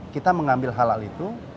kita mengambil hal hal itu